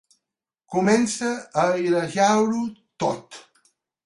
Comença a airejar-ho tot.